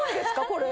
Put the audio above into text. これ。